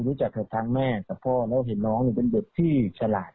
รู้จักกับทางแม่กับพ่อแล้วเห็นน้องเป็นเด็กที่ฉลาด